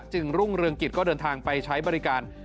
รุ่งเรืองกิจก็เดินทางไปใช้บริการ